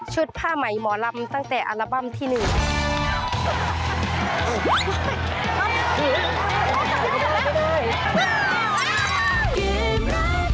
ผ้าใหม่หมอลำตั้งแต่อัลบั้มที่หนึ่ง